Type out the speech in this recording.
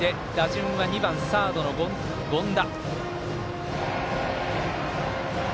打順は２番サードの権田。